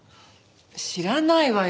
知らないわよ。